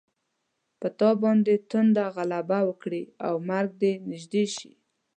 په تا باندې تنده غلبه وکړي او مرګ دې نږدې شي.